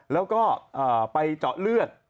แล้วก็ไปเจาะเลือด